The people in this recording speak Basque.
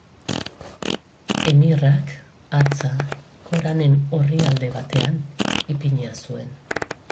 Emirrak hatza Koranen orrialde batean ipinia zuen.